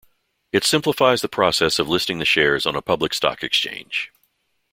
It simplifies the process of listing the shares on a public stock exchange.